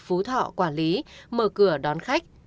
phú thọ quản lý mở cửa đón khách